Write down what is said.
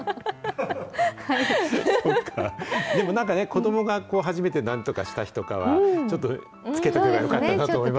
でもなんかね、子どもが初めてなんとかした日とかは、ちょっとつけておけばよかったなと思い